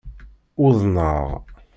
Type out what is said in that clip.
Uḍneɣ.